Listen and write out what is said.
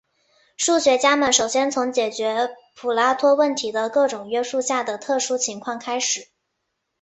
数学家们首先从解决普拉托问题的各种约束下的特殊情况开始。